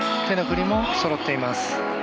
手の振りもそろっています。